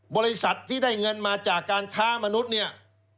บริษัทที่ได้เงินมาจากการค้ามนุษย์เนี่ย